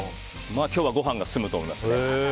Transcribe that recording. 今日はご飯が進むと思います。